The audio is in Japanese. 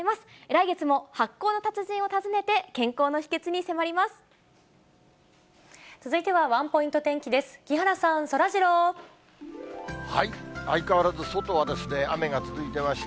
来月も発酵の達人を訪ねて健康の秘けつに迫ります。